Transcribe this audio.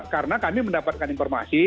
karena kami mendapatkan informasi